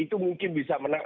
itu mungkin bisa menang